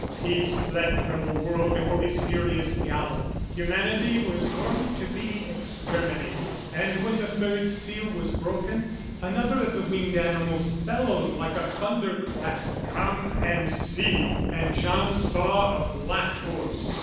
Peace fled from the world before his furious gallop; humanity was going to be exterminated. And when the third seal was broken, another of the winged animals bellowed like a thunder clap, "Come and see!" And John saw a black horse.